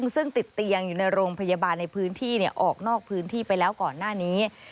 ซึ่งติดเตียงอยู่ในโรงพยาบาลในพื้นที่ออกนอกพื้นที่ไปแล้วก่อนหน้านี้